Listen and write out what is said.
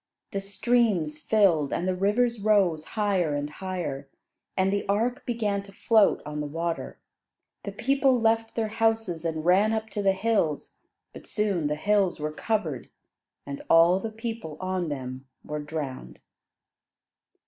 The streams filled, and the rivers rose higher and higher, and the ark began to float on the water. The people left their houses and ran up to the hills; but soon the hills were covered, and all the people on them were drowned.